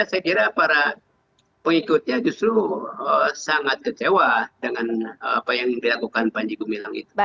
saya kira para pengikutnya justru sangat kecewa dengan apa yang dilakukan panji gumilang itu